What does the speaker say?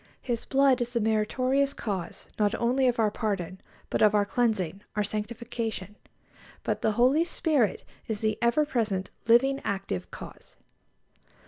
His blood is the meritorious cause not only of our pardon, but of our cleansing, our sanctification; but the Holy Spirit is the ever present, living, active Cause.